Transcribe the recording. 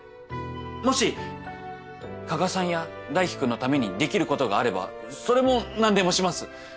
もし加賀さんや大貴君のためにできることがあればそれも何でもします。